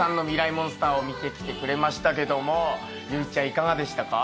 モンスターを見てきてくれましたけども由依ちゃんいかがでしたか？